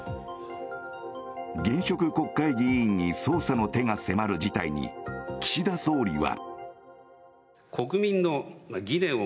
現職国会議員に捜査の手が迫る事態に、岸田総理は。